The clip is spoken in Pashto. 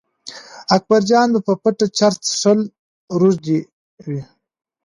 اکبرجان به په پټه چرس څښل روږدي و.